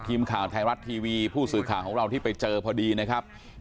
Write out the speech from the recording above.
ทีมข่าวไทยรัฐทีวีผู้สื่อข่าวของเราที่ไปเจอพอดีนะครับ